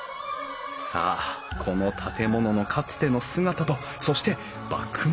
さあこの建物のかつての姿とそして幕末の婚礼料理！